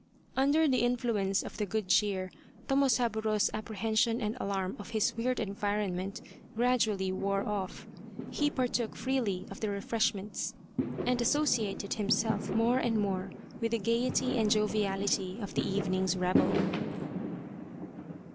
Under the influence of the good cheer Tomosaburo's apprehension and alarm of his weird environment gradually wore off, he partook freely of the refresh ments, and associated himself more and more with the gaiety and joviality of the evening's revel.